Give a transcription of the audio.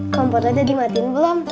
kompornya dimatiin belum